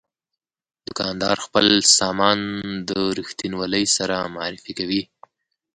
دوکاندار خپل سامان د رښتینولۍ سره معرفي کوي.